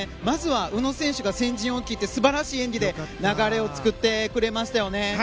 まずは宇野選手が先陣を切って素晴らしい演技で流れを作ってくれましたよね。